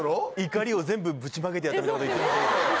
怒りを全部ぶちまけてやったみたいなこと言ってた。